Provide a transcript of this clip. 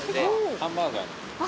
ハンバーガーです。